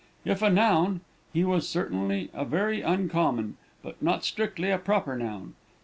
If a noun, he was certainly a very uncommon, but not strictly a proper noun.